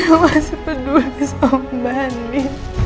nino masih peduli sombani